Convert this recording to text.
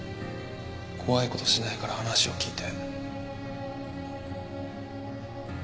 怖い事しないから話を聞いて。